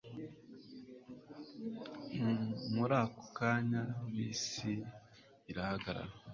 Muri ako kanya bisi irahagarara